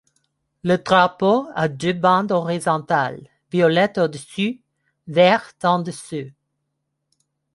Le drapeau a deux bandes horizontales, violette au-dessus, verte en dessous.